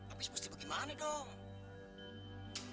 abis musti bagaimana dong